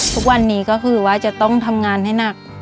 ทุกวันนี้ก็คือว่าจะต้องทำงานให้หนัก